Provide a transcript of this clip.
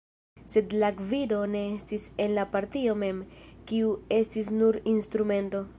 Sed la gvido ne estis en la partio mem, kiu estis nur instrumento.